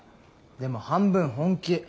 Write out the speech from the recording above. でも半分本気。